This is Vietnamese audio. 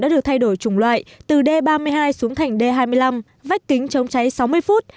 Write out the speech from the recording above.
đã được thay đổi chủng loại từ d ba mươi hai xuống thành d hai mươi năm vách kính chống cháy sáu mươi phút